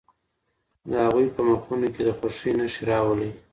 د هغوی په مخونو کي د خوښۍ نښې راولئ.